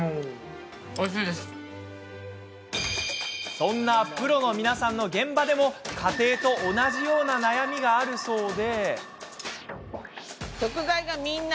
そんなプロの皆さんの現場でも家庭と同じような悩みがあるそうで。